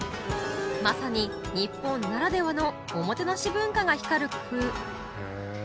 まさに日本ならではのおもてなし文化が光る工夫